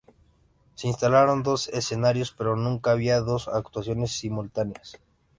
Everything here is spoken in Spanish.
Se instalaron dos escenarios, pero nunca había dos actuaciones simultáneas.